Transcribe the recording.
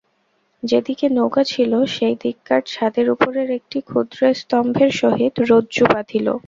যেদিকে নৌকা ছিল, সেইদিককার ছাদের উপরের একটি ক্ষুদ্র স্তম্ভের সহিত রজ্জু বাঁধিল।